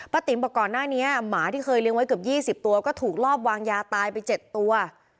ประตินบอกก่อนหน้านี้หมาที่เคยเลี้ยงไว้เกือบยี่สิบตัวก็ถูกลอบวางยาตายไปเจ็ดตัว